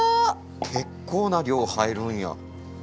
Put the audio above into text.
結構な量入るんや。